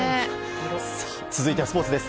続いてはスポーツです。